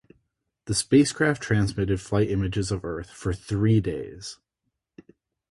The spacecraft transmitted flight images of Earth for three days.